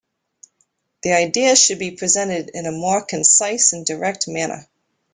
The ideas should be presented in a more concise and direct manner.